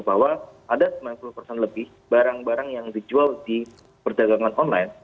bahwa ada sembilan puluh persen lebih barang barang yang dijual di perdagangan online